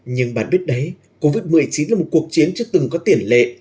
nhưng bạn biết đấy covid một mươi chín là một cuộc chiến chưa từng có tiền lệ